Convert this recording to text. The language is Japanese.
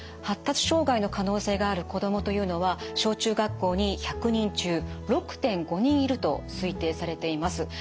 発達障害の可能性がある子どもというのは小中学校に１００人中６．５人いると推定されています。